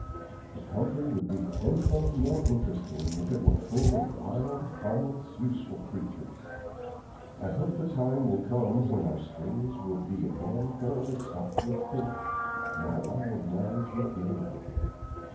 The country would be tenfold more interesting if it were full of wild, harmless, useful creatures. I hope the time will come when our streams will be again thoroughly stocked with fish, and our wild lands with game.